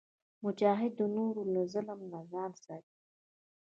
مجاهد د نورو له ظلم نه ځان ساتي.